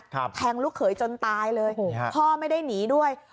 แทงลูกเขยจนตายเลยฮะพ่อไม่ได้หนีด้วย